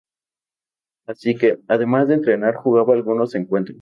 Así que, además de entrenar, jugaba algunos encuentros.